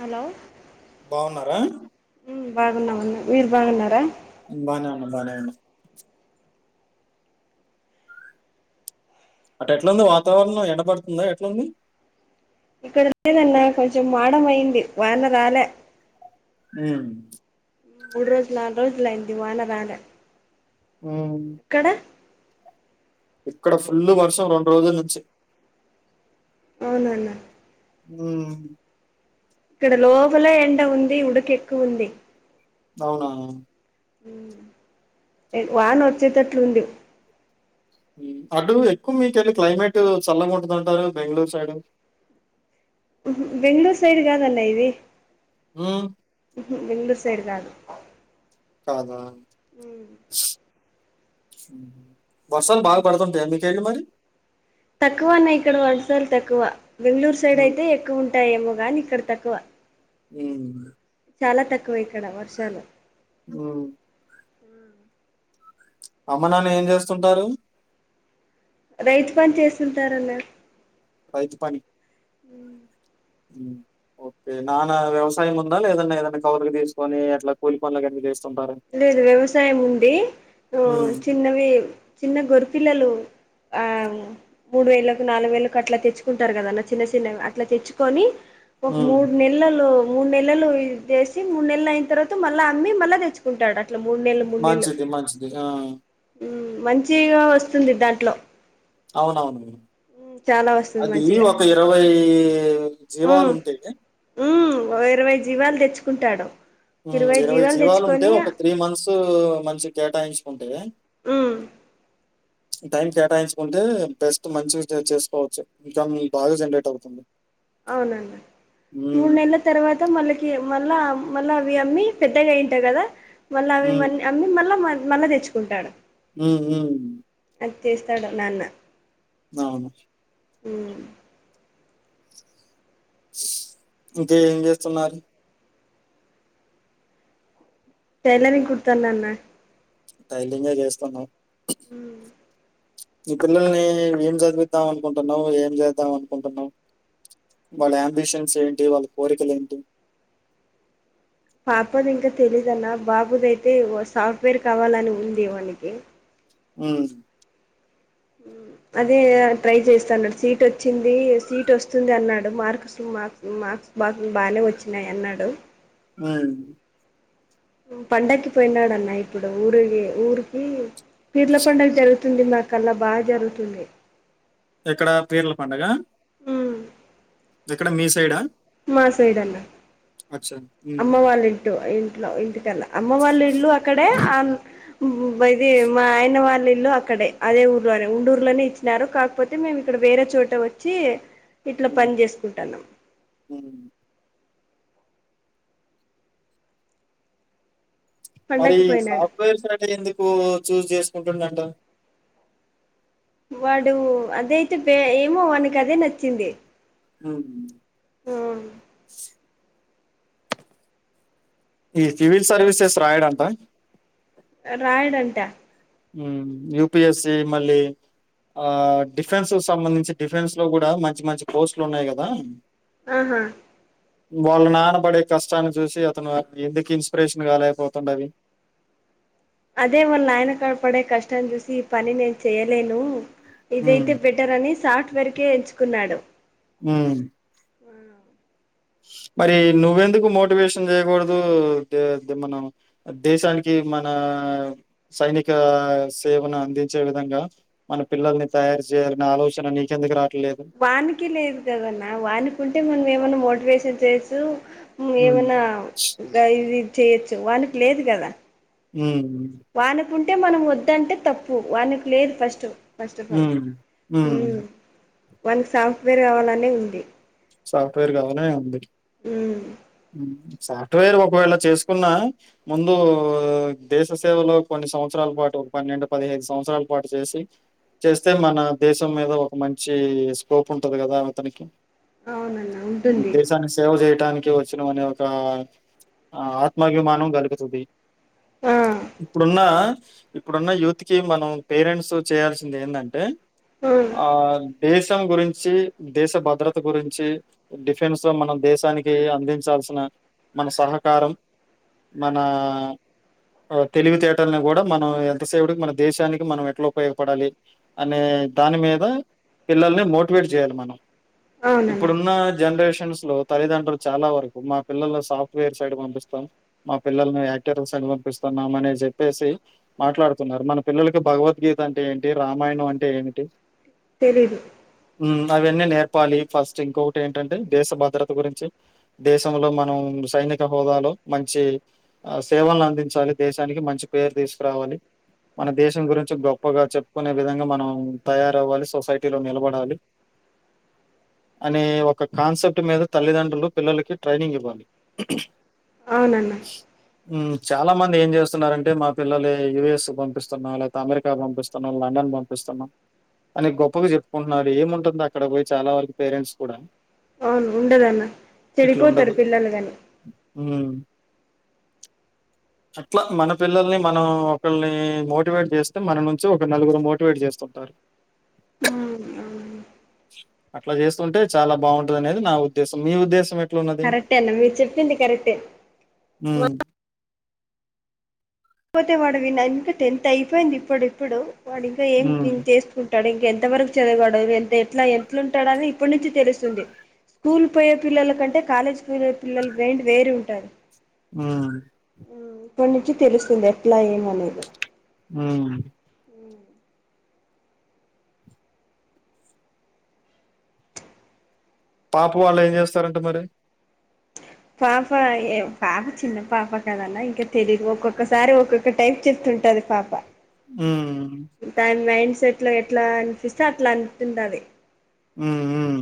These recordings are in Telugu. హలో బావున్నారా ఉమ్ బాగున్నాం అండి మీర్ బాగున్నారా బానే వున్న బానే వున్న అటు ఎట్లాంది వాతావరణం ఎండ పడుతుందా ఎట్లుంది. ఇక్కడ లేదన్నా కొంచెం మాడం అయ్యింది వాన రాలే ఊ మూడు రోజులు నాలుగు రోజులయ్యింది వాన రాలా ఊమ్ ఇక్కడ ఫుల్లు వర్షం రెండు రోజుల నించి అవునా అన్న ఊ ఇక్కడ లోపలే ఎండ ఉంది ఉడుకెక్కువ ఉంది అవునా ఉమ్ ఏ వానొచ్చేతట్లుంది ఊ అటు ఎక్కువ మీకెల్లి క్లైమేటు చల్లంగుంటదంటారు బెంగళూరు సైడు [inaudible] ఊహూ బెంగుళూర్ సైడ్ గాదన్నా ఇది హ్మ్. ఊహూ బెంగుళూర్ తేడు గాదు కాదా ఊ వర్షాలు బాగా పడతుంటయా మీకేడి మరి తక్కువ అన్నా ఇక్కడ వర్షాలు తక్కువ బెంగుళూరు సైడ్ హ్మ్. అయితే ఎక్కువ ఉంటాయేమో గానీ ఇక్కడ తక్కువ [unintelligible] చాలా తక్కువ ఇక్కడ వర్షాలు ఊ అమ్మ నాన్న ఏం చేస్తుంటారు రైతు పని చేస్తుంటారన్న రైతు పని ఉమ్ ఓకే నాన్న వ్యవసాయం ఉందా లేదన్నా ఏదన్నా కౌలుకు తీసుకొని అట్లా కూలి పనులకు [inaudible] చేస్ లేదు వ్యవసాయం ఉండి ఆ హ్మ్. చిన్నవి చిన్న గొరిపిల్లలు ఆ మూడు వేలకు నాలుగు వేలకు అట్లా తెచ్చుకుంటారు కదన్నా చిన్న చిన్నవి అట్లా తెచ్చుకొని ఒక హ్మ్. మూడు నెల్లలో మూడు నెలలు ఇది చేేసి మూడు నెల్లు అయిన తర్వాత మళ్ళా అమ్మి మళ్ళా తెచ్చు ట్ల మూడు నెల్లు మూడు నెల్లు మంచిది మంచిది. ఆ! మంచిగా వస్తుంది దాంట్లో అవునవును చాలా వస్తుంది అది మంచిగా ఒక ఇరవై ఈ జీవాలు ఉంటాయి ఓ ఇరవై జీవాలు తెచ్చుకుంటాడు ఉమ్ ఇరవై జీవాలు ఉంటే ఒక త్రీ మంత్స్ మంచిగ కేటాయించుకుంటే ఊ టైం కేటాయించుకుంటే బెస్ట్ మంచిగ చ చేసుకోవచ్చు ఇన్కామీ బాగా జనరేట్ అవుతుంది అవునన్న మూడు హ్మ్. నెలల తర్వాత మళ్ళకి మళ్ళా మళ్ళా వి అమ్మి పెద్దగా అయింటాయి కదా మళ్ళా అవి హ్మ్. మల్ అమ్మి మళ్ళా మళ్ళా తెచ్చుకుంటాడు ఊ ఉమ్ అది చేస్తాడు నాన్న అవును ఊ ఇంక ఏం చేస్తున్నారు టైలరింగ్ కుడతానన్నా టైలరింగే చేస్తున్నావ్ హ్మ్ ఈ పిల్లల్ని ఏం చదివిద్దాం అనుకుంటున్నావు ఏం చేద్దాం అనుకుంటున్నావు వాళ్ళ అంబిషన్స్ ఏంటి వాళ్ళ కోరికలు ఏంటి పాపది ఇంకా తెలీదన్న బాబుదైతే సాఫ్ట్వేర్ కావాలని ఉంది వానికి హ్మ్ హ్మ్. అదే ట్రై చేస్తాన్నాడు సీట్ వచ్చింది సీట్ వస్తుంది అన్నాడు మార్క్స్ మక్ మ బా బానే వచ్చినాయి అన్నాడు హ్మ్ పండగకి పోయినాడన్న ఇప్పుడు ఊరికి ఊరికి పీర్ల పండుగ జరుగుతు తుంది నాకల్లా బా జరుగుతుంది ఎక్కడా పీర్ల పండుగ ఎక్కడ మీ సైడా మా సైడన్న అచ్చా! హ్మ్. అమ్మ వాళ్ళ ఇట్ ఇంట్లో ఇంటికెళ్ళ అమ్మ వాళ్ళు ఇల్లు అక్కడే ఇది మా ఆయన వాళ్ళ ఇల్లు అ అక్కడే అదే ఊర్లోనే ఉండూర్లోనే ఇచ్చినారు కాకపోతే మేము ఇక్కడ వేరే చోట వచ్చి ఇట్లా హ్మ్. పని చేసుకుంటాన్నాం హ్మ్. మరి పండక్కి పోయినాడు సాఫ్ట్వేర్స్ సైడే ఎందుకు చూజ్ చేసుకుంటుందంట వాడు అదయితే ఏమో వానికి అదే నచ్చింది హ్మ్ ఆ ఈ సివిల్ సర్వీసెస్ రాయడంట రాయడంటా హ్మ్ యుపిఎస్సి మళ్ళీ ఆ డిఫెన్స్ సంబంధించి డిఫెన్స్ లో కూడా మంచి మంచి పోస్ట్లు ఉన్నాయి కదా ఆహా వాళ్ళ నానబడే కష్టాన్ని చూసి అతను ఎందుకు ఇన్స్పిరేషన్ కాలేకపోతుండ అవి అదే వాళ్ళ ఆయన కనపడే కష్టాన్ని చూసి ఈ పని నేను చెయ్యలేను హ్మ్. ఇదైతే బెటర్ అని సాఫ్ట్వేర్కే ఎంచుకున్నాడు హ్మ్ ఆ మరి నువ్వెందుకు మోటివేషన్ చేయకూడదు ది మనం దేశానికి మన సైనిక సేవను అందించే విధంగా మన పిల్లల్ని తయారు సేయాలనే ఆలోచన నీకు ఎందుకు రా వానికి లేదు కదన్న వానికి ఉంటే మనం ఏమన్నా మోటివేషన్ చేయోచ్చు హ్మ్. ఏమన్నా గా ఇది చేయొచ్చు వానికి లేదు కదా హ్మ్ ఉంటే మనం వద్దంటే తప్పు వానికి లేదు ఫస్ట్ ఫస్ట్ ఆఫ్ ఆల్ హ్మ్ వాళ్ళకి సాఫ్ట్వేర్ కావాలనే ఉంది సాఫ్ట్వేర్ కావాలనే ఉంది ఉమ్ హ్మ్ సాఫ్ట్వేర్ ఒకవేళ చేసుకున్న ముందు దేశ సేవలో కొన్ని సంవత్సరాల పాటు ఒక పన్నెండు పదిహైదు సంవత్సరాల పాటు చేసి చేస్తే మన దేశం మీద ఒక మంచి స్కోప్ ఉంటది కదా అతనికి అవునన్నా ఉంటుంది దేశానికి సేవ చేయడానికి వచ్చినవనిఅనే ఒక ఆత్మాభిమానం కలుగుతుంది ఆ ఇప్పుడున్న ఇప్పుడున్న యూత్ కి మనం పేరెంట్స్ చేయాల్సింది ఏంటంటే ఆ దేశాలు గురించి దేశ భద్రత గురించి డిఫెన్స్ లో మనం దేశానికి అందించాల్సిన మన సహకారం మనా తెలివితేటలని కూడా మనం ఎంతసేపటికి మన దేశానికి మనం ఎట్లా ఉపయోగపడాలి అనే దాని మీద పిల్లల్ని మోటివేట్ చేయాలి మనం అవునన్నా ఇప్పుడున్న జనరేషన్ లో తల్లిదండులు చాల వరకు మా పిల్లల సాఫ్ట్వేర్ సైడ్ పంపిస్తాం మా పిల్లల్ని యాక్టర్స్ పంపిస్తున్నాం అని చెప్పేసి మాట్లాడుతున్నారు మన పిల్లలకి భగవద్గీత అంటే ఏంటి రామాయణం అంటే ఇంకా ఏంటి తెలీదు ఉ అవిన్నే నే చెప్పాలి ఫస్ట్ ఇంకొకటి ఏంటంటే దేశ భద్రత గురించి దేశంలో మనం సైనిక హోదాలో మంచి ఆ సేవలను అందించాలి దేశానికి మంచి పేరు తీసుకురావాలి మన దేశం గురించి గొప్పగా చెప్పుకునే విధంగా మనం తయారవ్వాలి సొసైటీలో నిలబడాలి అనే ఒక కాన్సెప్ట్ మీద తల్లిదండ్రులు పిల్లలకి ట్రైనింగ్ ఇవ్వాలి అవునన్న చాలా మంది ఏం చేస్తున్నారంటే మా పిల్లలు యయుఎస్ పంపిస్తున్నా లేకపోతే అమెరికా పంపిస్తున్నా లండ్ లండన్ పంపిస్తున్నాం అని గొప్పగా చెప్పుకుంటున్నాడు ఏముంటుంది అక్కడ పోయి చాలా వరకు పేరెంట్స్ కూడా అవును ఉండదన్న ఇట్లా చెడిపోతారు ఉండదు పిల్లలు గాని అట్లా మన పిల్లల్ని మనం ఒకరిని మోటివేట్ చేస్తే మన నుంచి ఒక నలుగురు మోటివేట్ చేస్తుంటారు అట్లా చేస్తుంటే చాలా బాగుంటది అనేది నా ఉద్దేశం మీ ఉద్దేశం ఏ కరెక్టే అన్న మీరు చెప్పింది కరెక్టే హ్మ్. లేకపోతే వాడు వి ఇంకా టెన్త్ అయిపోయింది ఇప్పుడుప్పుడు వాడు ఇంకా ఏం హ్మ్. థింక్ చేస్తూ టడు ఇంక ఎంత వరకు చదగడు ఎ ఎట్లా ఎట్లుంటాడుని ఇప్పటి నుంచి తెలుస్తుంది స్కూల్ పోయే పిల్లల కంటే కాలేజ్ పోయే పిల్లల వైండ్ వేరే ఉంటాది ఆ ఇప్పటి నుంచి తెలుస్తుంది ఎట్లా ఏమనేది ఉ పాప వాళ్ళు ఏం చేస్తారంటే మారే పాప ఏ పాప చిన్న పాప కదన్నా ఇంకా తెలీయదు ఒక్కొక్కసారి ఒక్కొక్క టైప్ చెప్తు ఉంటది పాప హమ్ దాని మైండ్ సెట్ లో ఎట్లా అనిపిస్తే అట్లా అంటుంటాది ఉ ఉ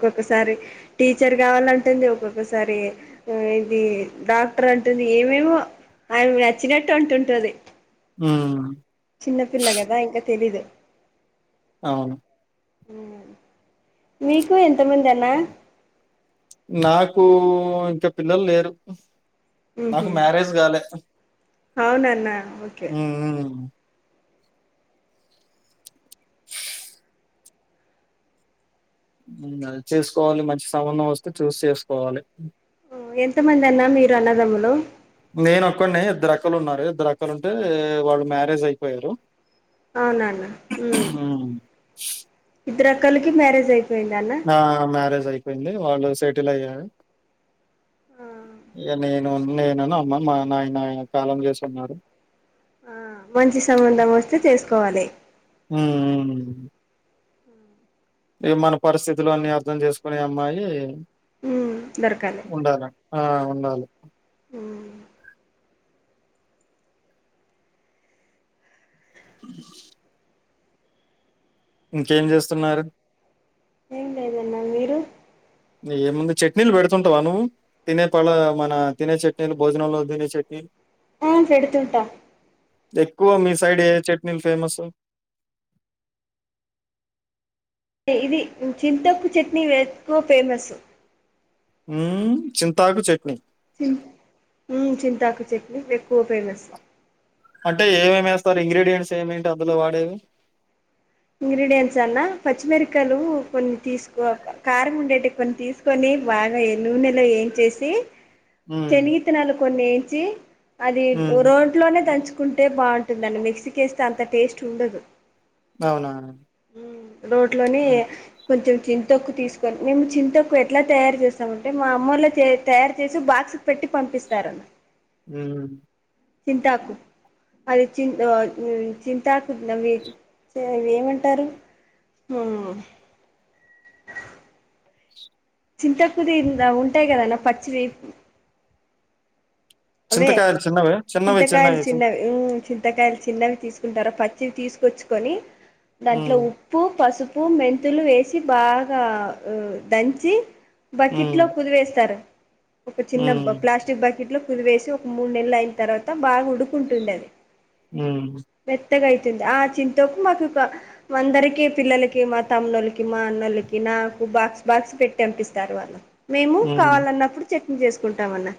ఒక్కొక్కసారి టీచర్ కావాలంటుంది ఒక్కొక్కసారి ఇది డాక్టర్ అంటుంది ఏమేమో ఆయన నచ్చినట్టు అంటుంటుంది ఆ చిన్నపిల్ల కదా ఇంకా తెలీదు అవును మీకు ఎంతమంది అన్నా నాకు ఇంకా పిల్లలు లేరు నాకు మ్యారేజ్ కాలే అవునన్నా మ్మ్ హ్మ్ అ చేసుకోవాలి మంచి సంబంధం వస్తే చూసి చేసుకోవాలి ఎంత మంది అన్న మీరు అన్నదమ్ములు నేనొక్కడినే ఇద్దరు అక్కలు ఉన్నారు ఇద్దరక్కలు ఉంటే వాళ్ళు మ్యారేజ్ అయిపోయారు అవునాన్న మ్మ్ హ్మ్. ఇద్దరు అక్కలికి మ్యారేజ్ అయి ఆ మ్యారేజ్ అయిపోయింది వాళ్ళు సెటిల్ అయ్యారు ఇగ నేను నేను ను అమ్మ మా నాయన కాలం చేసి ఉన్నారు ఆ మంచి సంబంధం వస్తే చేసుకోవాలి మ్మ్ హ్మ్ హ్ ఇగ మన పరిస్థితులు అన్నీ అర్థం చేసుకునే అమ్మాయి ఉమ్ దొరకాలి ఉండాల. ఆ ఉండాలి ఇంకేం చేస్తున్నారు ఏం లేదు అన్నా మీరు ఏముంది చట్నీలు పెడుతుంటావా నువ్వు తినే పళ్ళ మన తినే చట్నీలు భోజనంలో తినే చట్నీ ఆ పెడుతుంటా ఎక్కువ మీ సైడ్ ఏ చట్నీలు ఫేమస్ ఇది చింతొక్కు చట్నీ ఎక్కువ ఫేమస్ ఉమ్ చింతాకు చట్నీ హుమ్ ఊమ్ చింతాకు చెట్నీ అంటే ఏమేమి వేస్తారు ఇంగ్రీడియంట్స్ ఏమేంటి అందులో వాడేవి ఇంగ్రీడియంట్స్ అన్నా పచ్చిమిరక్కయలు కొన్ని తీసుకో కారం ఉండేటివి కొన్ని తీసుకొని, బాగా నూనెలో వేయించేసి హ్మ్. చెని గిత్తనాలు కొన్ని వేంచి అది హ్మ్. రోట్లోనే దంచు కుంటే బాగుంటుందని మిక్సీకి వేస్తే అంత టేస్ట్ ఉండదు అవునా? హ్మ్ రోట్లోనే హ్మ్. కొంచెం చింతొక్కు తీసుకొని మేము చింతొక్కు ఎట్లా తయారు చేస్తామంటే మా అమ్మ వాళ్ళే తె తయారు చేసి బా క్స్ పెట్టి పంపిస్తారు ఉమ్ చింతాకు అది చింత్ చింతాకునవి అవీ ఏమంటారు హ్మ్ చింతొక్కుది అవి ఉంటాయి కదన్న పచ్చివీ అవే చింతకాయలు చిన్నవా? చిన్నవి చింతకాయలు చి చిన్నవి ఉమ్ చిం తకాయలు చిన్నవి తీసుకుంటారాపచ్చిని తీసుకొచ్చుకొని దాంట్లో హ్మ్. ఉప్పు పసుపు ఉప్పు మెంతులు వేసి బాగా దంచి బకిట్ హ్మ్. లో పుదివేస్తారు ఒక చిన్న బ హ్మ్. ప్లాస్టిక్ బకెట్ లో కుదివేసి ఒక మూడు నెలలు అయిన తర్వాత బాగా ఉడుకుంటుంది అది ఉమ్ పెద్దగా అయితుంది ఆ చింతాకు మాకు అందరికి పిల్లలకి మా తమ్మునోళ్ళకి మా అన్నోళ్ళకి నా నాకు బాక్స్ బాక్స్ పెట్టి అంపిస్తారు వాళ్ళు మేము హ్మ్. కావాలన్నప్పుడు చట్ని చేసుకుంటాం అన్న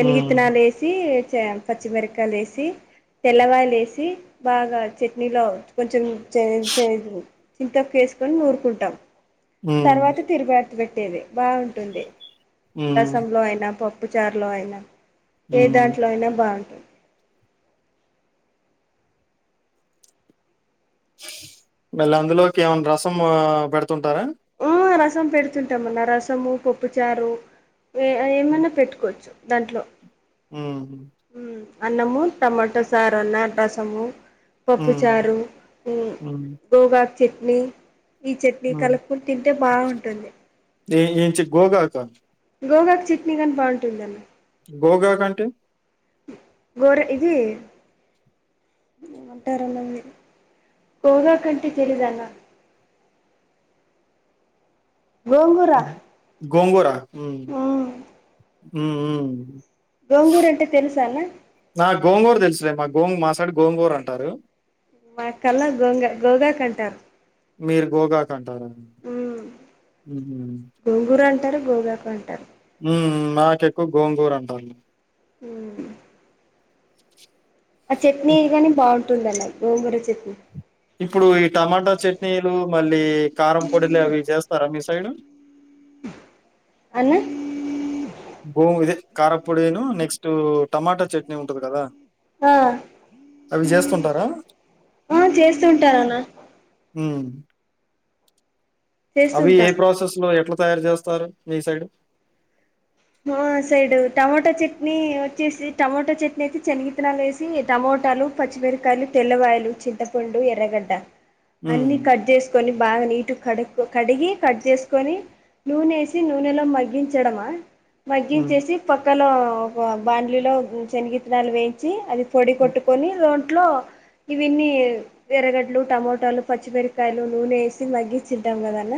హ్మ్. యేసి పచ్చిమిరకాయలు యేసి తెల్లవాయలు వేసి బాగా చట్నీలో కొంచెం చింతాకేసుకొని నూరుకుంటాం హ్మ్. తర్వాత తిరుప పెట్టేదే బాగుంటుంది హ్మ్. రసంలో అయినా పప్పు చారులో అయినా ఏ హ్మ్. దాంట్లో అయినా బాగుంటుంది మళ్ళ అందులోకి ఏమన్నా రసం పెడుతుంటారా ఆ రసం పెడుతుంటాం అన్న రసము పప్పుచారు ఏమన్నా పెట్టుకోవచ్చు దాంట్లో ఉమ్ మ్ అన్నము టమాటో సార్ అన్న రసము పప్పు హ్మ్. చారు హ్మ్. గోగాకు చట్నీ ఈ చట్నీ కలుపుకుం టే బాగుంటుంది ఎంచి గోగాకా గోగాకు చట్నీనీ గాని బాగుంటుందన్న గోగాకు అంటే గోరే ఇది ఏం అంటారన్న ఇది గోగా కంటే తెలీదన్న [inaudible] గోంగూర గోంగురా ఉమ్ మ్ ఉమ్ ఉమ్ గోంగూరు అంటే తెలుసాన్నా నా గోంగూర తెలుసులే మా గోంగ మాసైడ్ గోంగూరు అంటారు మాక్కల్లా గోంగ గోగాకంటారు మీరు గోగా కంటారా ఉహూ గోంగూర అంటారు గోగాకు అంటారు ఉమ్ మాకెక్కువ గోంగూర అంటాము లే ఉమ్ ఆ చట్నీ ఇప్- గాని బాగుంటుంది అన్న గోంగూర చట్నీ ఇప్పుడు ఈ టమాటా చట్నీలు మళ్ళీ కారం పొడిలు అవి చేస్తారా మీ సైడు [inaudible] అన్న భూ ఇదే కారంపొడిను నెక్స్ట్ టమాటా చట్నీ ఉంటది గదా ఆ అవి జేస్తుంటారా ఆ చేస్తుంటారన్న ఉమ్ అవి చేస్తుంటా ఏ ప్రాసెస్ లో ఎట్లా తయారు జేస్తారు మీ సైడ్ మా సైడు టమాటో చట్నీ వచ్చేసి టమోటా చట్నీ అయితే శనగిత్తనాలు వేసి టమోట టమాటాలు పచ్చమిరకాయలు తెల్లవాయిలు చింతపండు ఎర్రగడ్డ ఉమ్, అన్ని కట్ జేసుకొని బాగా నీటు కడు కడిగి కట్ చేసుకొని నూనెేసి నూనెలో మగ్గించడమా ఉమ్, మగ్గించేసి పక్కలో ఒక బాంలీలో శనగిత్తనాలు వేయించి అది పొడి కొట్టుకొని దోంట్లో ఇవిన్నీ ఎరగడ్డలు టమోటాలు పచ్చిమిరకాయలు నూనె యేసి మగ్గించి ఉంటాం గదన్న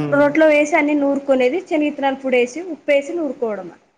ఉమ్. రోట్లో వేసి అన్ని నూరుకునేది శని తలు పుడేసి ఉప్పుేసి నూరుకోవడమా